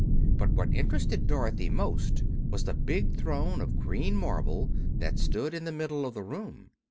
But what interested Dorothy most was the big throne of green marble that stood in the middle of the room.